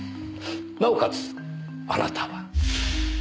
なおかつあなたは。